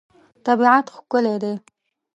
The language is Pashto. طبیعت ښکلی دی.